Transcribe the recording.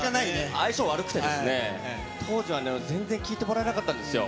相性悪くてですね、当時は全然聴いてもらえなかったんですよ。